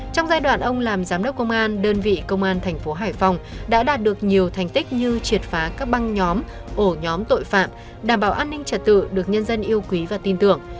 trong giai đoạn ông làm giám đốc công an đơn vị công an thành phố hải phòng đã đạt được nhiều thành tích như triệt phá các băng nhóm ổ nhóm tội phạm đảm bảo an ninh trật tự được nhân dân yêu quý và tin tưởng